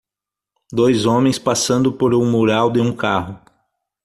Dois homens passando por um mural de um carro.